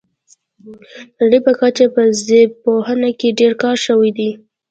د نړۍ په کچه په ژبپوهنه کې ډیر کار شوی دی